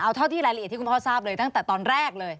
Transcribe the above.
เอาเท่าที่รายละเอียดที่คุณพ่อทราบเลยตั้งแต่ตอนแรกเลย